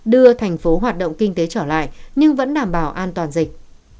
đưa thành phố hoạt động kinh tế trở lại nhưng vẫn đảm bảo an toàn dịch